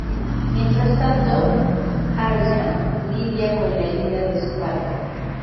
Mientras tanto, Arya lidia con la herida de su padre.